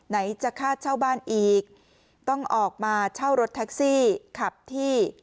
ไหนจะค่าเช่าบ้านอีกต้องออกมาเช่ารถแท็กซี่ขับที่